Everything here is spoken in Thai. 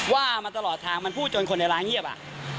ว่ามาตลอดทางมันพูดจนคนในร้านเงียบอ่ะ